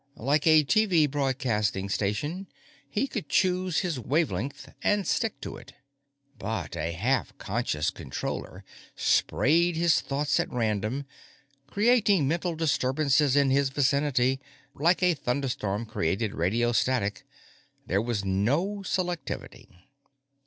Like a TV broadcasting station, he could choose his wavelength and stick to it. But a half conscious Controller sprayed his thoughts at random, creating mental disturbances in his vicinity. Like a thunderstorm creating radio static, there was no selectivity.